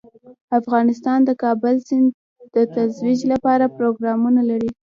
افغانستان د د کابل سیند د ترویج لپاره پروګرامونه لري.